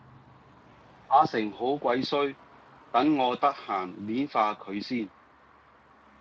阿成好鬼衰等我得閒撚化佢先